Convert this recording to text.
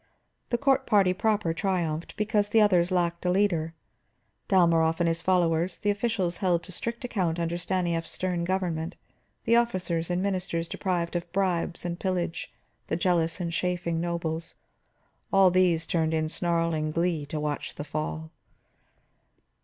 The court party proper triumphed, because the others lacked a leader. Dalmorov and his followers, the officials held to strict account under Stanief's stern government, the officers and ministers deprived of bribes and pillage, the jealous and chafing nobles, all these turned in snarling glee to watch the fall.